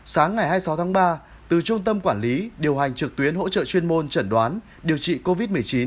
sáng ngày hai mươi sáu tháng ba từ trung tâm quản lý điều hành trực tuyến hỗ trợ chuyên môn chẩn đoán điều trị covid một mươi chín